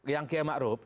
yang kiai ma'ruf